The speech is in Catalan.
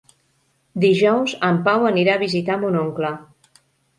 Dijous en Pau anirà a visitar mon oncle.